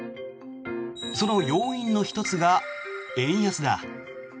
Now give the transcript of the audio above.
その要因の１つが円安だ。